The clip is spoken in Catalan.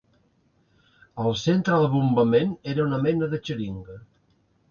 El centre del bombament era una mena de xeringa.